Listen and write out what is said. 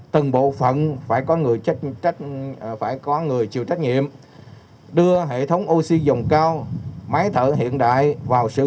tầng bộ phận phải có người chịu trách nhiệm đưa hệ thống oxy dòng cao máy thợ hiện đại vào sử